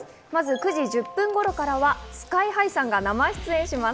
９時１０分頃からはＳＫＹ−ＨＩさんが生出演します。